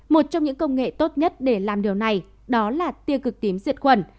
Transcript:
một trong những công nghệ tốt nhất để làm điều này đó là tiê cực tím diệt quần